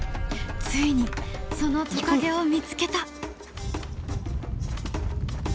ついにそのトカゲを見つけた！